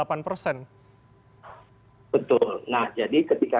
nah jadi ketika kita mengalihkan sebagian dari itu